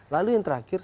lalu yang terakhir